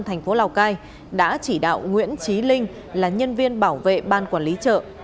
thành phố lào cai đã chỉ đạo nguyễn trí linh là nhân viên bảo vệ ban quản lý chợ